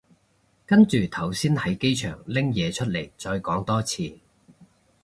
跟住頭先喺機場拎嘢出嚟再講多次